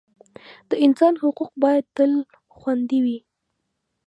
د انسان حقوق باید تل خوندي وي.